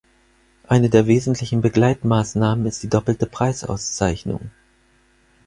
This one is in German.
Eine der wesentlichen Begleitmaßnahmen ist die doppelte Preisauszeichnung.